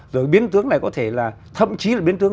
rồi biến tướng này có thể là thậm chí là biến tướng